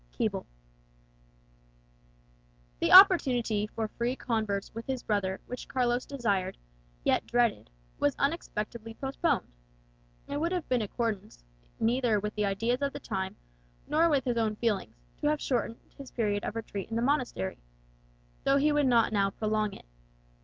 Keble The opportunity for free converse with his brother which Carlos desired, yet dreaded, was unexpectedly postponed. It would have been in accordance neither with the ideas of the time nor with his own feelings to have shortened his period of retreat in the monastery, though he would not now prolong it.